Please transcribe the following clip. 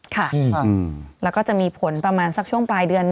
ค่ะแล้วก็จะมีผลประมาณสักช่วงปลายเดือน